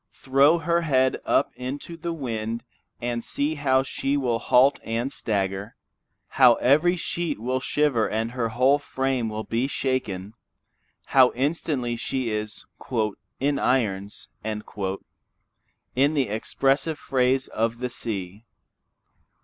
Throw her head up into the wind and see how she will halt and stagger, how every sheet will shiver and her whole frame be shaken, how instantly she is "in irons," in the expressive phrase of the sea.